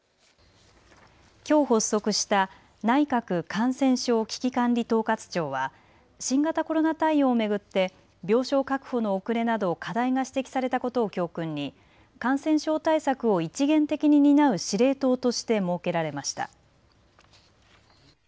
きょう発足した内閣感染症危機管理統括庁は新型コロナ対応を巡って病床確保の遅れなど課題が指摘されたことを教訓に感染症対策を一元的に担う司令塔として設けられました。